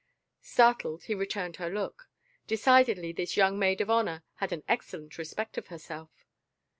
Startled, he returned her look. Decidedly this young maid of honor had an excellent respect for herself!